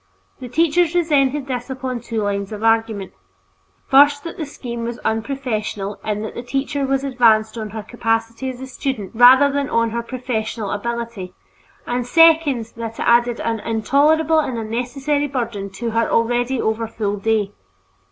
The teachers resented this upon two lines of argument: first, that the scheme was unprofessional in that the teacher was advanced on her capacity as a student rather than on her professional ability; and, second, that it added an intolerable and unnecessary burden to her already overfull day.